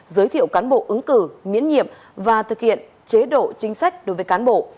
giới thiệu cán bộ ứng cử miễn nhiệm và thực hiện chế độ chính sách đối với cán bộ